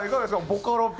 ボカロＰ。